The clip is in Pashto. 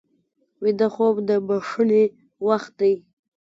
ویده خوب د بښنې وخت دی